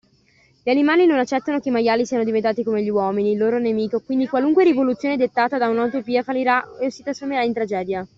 Gli animali non accettano che i maiali siano diventati come gli uomini, il loro nemico, quindi qualunque rivoluzione dettata da un'utopia fallirà e si trasformerà in tragedia.